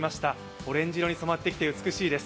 オレンジ色に染まってきて美しいです。